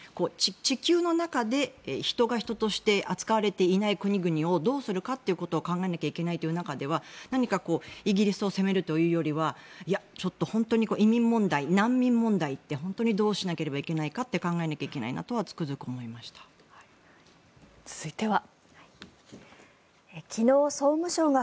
地球の中で人が人として扱われていない国々をどうするかということを考えなきゃいけないという中では何かイギリスを責めるというよりはいや、ちょっと移民問題難民問題って本当にどうしなければいけないか考えないといけないなと続いては。